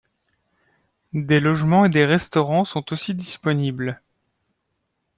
Des logements et des restaurants sont aussi disponibles.